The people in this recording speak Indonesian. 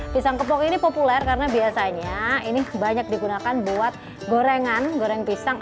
pisang kepok ini populer karena biasanya ini banyak digunakan buat gorengan goreng pisang